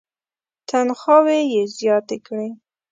تنخواوې یې زیاتې کړې.